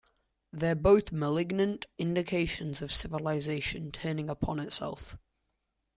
They're both malignant indications of civilisation turning upon itself.